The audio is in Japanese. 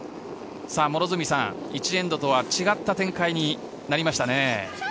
両角さん、１エンドとは違った展開になりましたね。